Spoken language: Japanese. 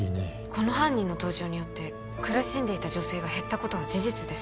この犯人の登場によって苦しんでいた女性が減ったことは事実です